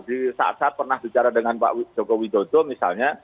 di saat saat pernah bicara dengan pak joko widodo misalnya